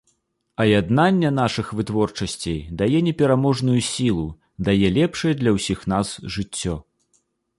А яднанне нашых вытворчасцей дае непераможную сілу, дае лепшае для ўсіх нас жыццё.